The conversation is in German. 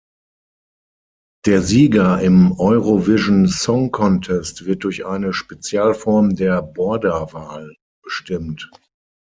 Der Sieger im Eurovision Song Contest wird durch eine Spezialform der Borda-Wahl bestimmt.